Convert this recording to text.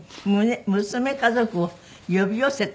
娘家族を呼び寄せた？